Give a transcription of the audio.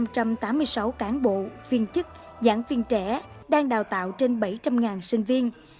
trong đó có hai mươi bảy ngàn năm trăm tám mươi sáu cán bộ viên chức giảng viên trẻ đang đào tạo trên bảy trăm linh ngàn sinh viên